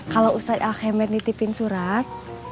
kalau ustadz al khamid nitipin surat